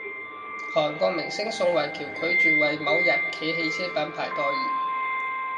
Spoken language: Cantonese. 韓國明星宋慧喬拒絕爲某日企汽車品牌代言